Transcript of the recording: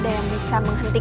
aku harus mengejarnya